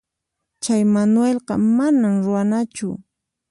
Chay Manuelqa manam runachu.